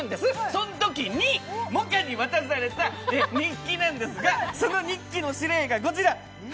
そのときに、百華に渡された日記なんですが、その日記の指令がこちら。